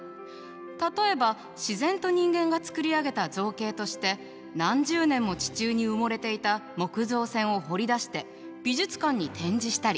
例えば自然と人間が作り上げた造形として何十年も地中に埋もれていた木造船を掘り出して美術館に展示したり。